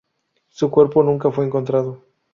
Su cuerpo nunca fue encontrado.